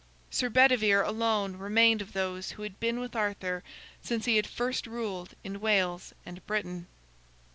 Sir Bedivere alone remained of those who had been with Arthur since he had first ruled in Wales and Britain.